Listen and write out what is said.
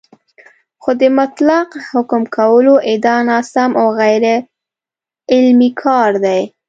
خو د مطلق حکم کولو ادعا ناسم او غیرعلمي کار دی